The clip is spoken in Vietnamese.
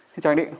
xin chào anh định